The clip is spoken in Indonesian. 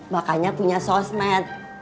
makanya punya sosmed